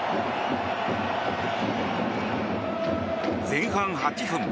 前半８分。